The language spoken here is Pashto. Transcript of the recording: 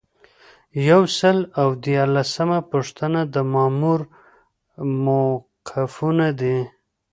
یو سل او دیارلسمه پوښتنه د مامور موقفونه دي.